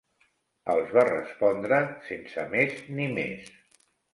Els va respondre, sense més ni més